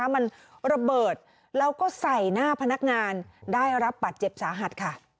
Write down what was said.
มันระเบิดแล้วก็ใส่หน้าพนักงานได้รับบัตรเจ็บสาหัสค่ะ